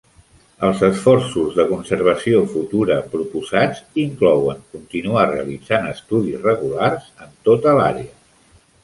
Els esforços de conservació futura proposats inclouen continuar realitzant estudis regulars en tota l'àrea.